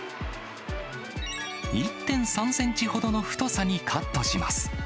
１．３センチほどの太さにカットします。